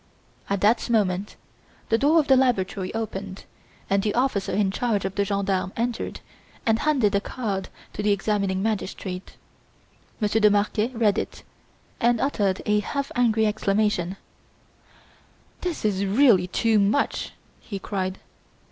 At that moment the door of the laboratory opened and the officer in charge of the gendarmes entered and handed a card to the examining magistrate. Monsieur de Marquet read it and uttered a half angry exclamation: "This is really too much!" he cried.